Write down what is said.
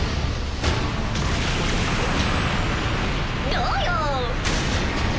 どうよ！